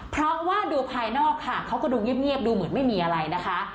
เพราะว่าดูภายนอกค่ะเขาก็ดูเงียบดูเหมือนไม่มีอะไรนะคะ